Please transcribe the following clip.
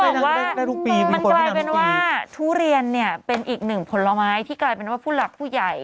บอกว่ามันกลายเป็นว่าทุเรียนเนี่ยเป็นอีกหนึ่งผลไม้ที่กลายเป็นว่าผู้หลักผู้ใหญ่